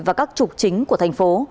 và các trục chính của thành phố